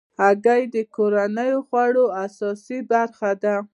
هګۍ د کورنیو خوړو اساسي برخه ده.